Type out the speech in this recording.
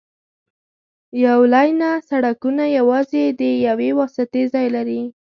یو لینه سړکونه یوازې د یوې واسطې ځای لري